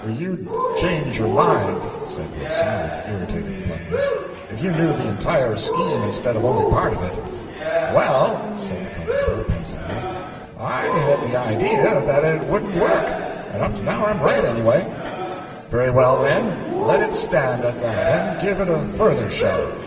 "You'd change your mind," said Wilson, with irritated bluntness, "if you knew the entire scheme instead of only part of it." "Well," said the constable, pensively, "I had the idea that it wouldn't work, and up to now I'm right anyway." "Very well, then, let it stand at that, and give it a further show.